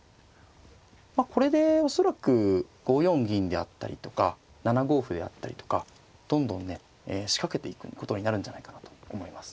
まあこれで恐らく５四銀であったりとか７五歩であったりとかどんどんね仕掛けていくことになるんじゃないかなと思います。